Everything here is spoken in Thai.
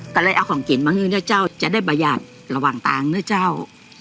ก็เลยเอาของกลิ่นมางึงนะเจ้าจะได้บรรยากระวังทางเหรอเจ้า